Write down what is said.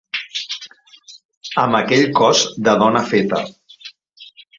Amb aquell cos de dona feta.